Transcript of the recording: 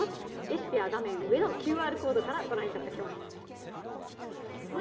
レシピは画面上のＱＲコードからもご覧いただけます。